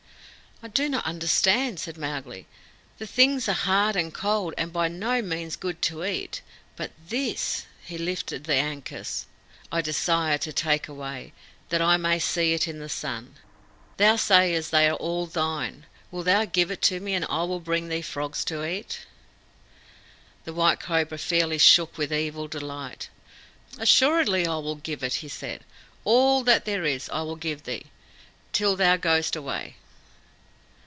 "I do not understand," said Mowgli. "The things are hard and cold, and by no means good to eat. But this" he lifted the ankus "I desire to take away, that I may see it in the sun. Thou sayest they are all thine? Wilt thou give it to me, and I will bring thee frogs to eat?" The White Cobra fairly shook with evil delight. "Assuredly I will give it," he said. "All that is here I will give thee till thou goest away."